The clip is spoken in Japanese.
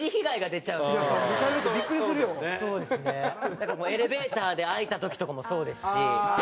だからもうエレベーターで開いた時とかもそうですし。